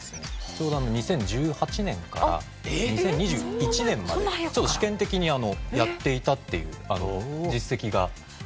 ちょうど２０１８年から２０２１年まで試験的にやっていたっていう実績があるんです。